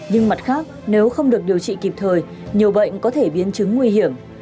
nhưng mặt khác nếu không được điều trị kịp thời nhiều bệnh có thể biến chứng nguy hiểm